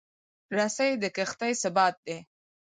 رسۍ د کښتۍ ثبات دی.